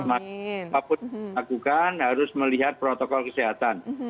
apapun yang dilakukan harus melihat protokol kesehatan